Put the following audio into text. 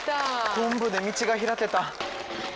昆布で道がひらけた。